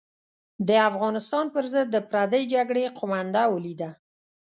د افغانستان پر ضد د پردۍ جګړې قومانده ولیده.